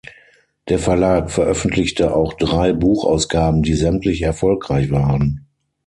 Der Verlag veröffentlichte auch drei Buchausgaben, die sämtlich erfolgreich waren.